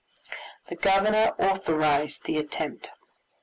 The Governor authorized the attempt.